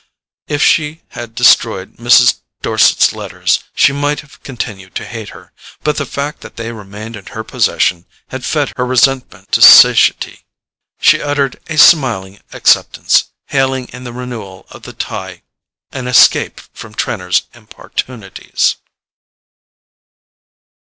If she had destroyed Mrs. Dorset's letters, she might have continued to hate her; but the fact that they remained in her possession had fed her resentment to satiety. She uttered a smiling acceptance, hailing in the renewal of the tie an escape from Trenor's importunities.